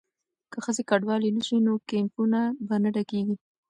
که ښځې کډوالې نه شي نو کیمپونه به نه ډکیږي.